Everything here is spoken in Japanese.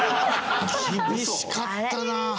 厳しかったな。